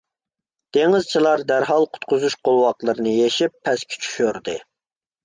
دېڭىزچىلار دەرھال قۇتقۇزۇش قولۋاقلىرىنى يېشىپ پەسكە چۈشۈردى،